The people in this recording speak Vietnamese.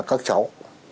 là các cháu